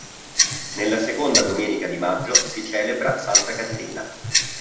Nella seconda domenica di maggio si celebra Santa Caterina.